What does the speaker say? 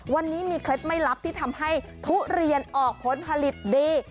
วันนี้มีเคล็ดไม่ลับที่ทำให้ทุเรียนออกผลผลิตดี